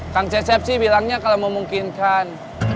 kang cesep sih bilangnya kalau memungkinkan